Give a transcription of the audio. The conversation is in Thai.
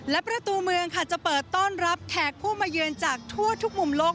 และประตูเมืองค่ะจะเปิดต้อนรับแขกผู้มาเยือนจากทั่วทุกมุมโลก